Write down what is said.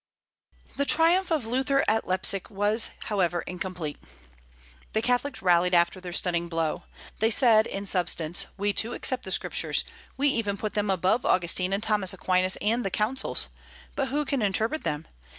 The triumph of Luther at Leipsic was, however, incomplete. The Catholics rallied after their stunning blow. They said, in substance: "We, too, accept the Scriptures; we even put them above Augustine and Thomas Aquinas and the councils. But who can interpret them?